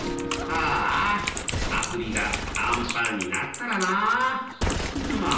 ああくびがあんパンになったらなあ。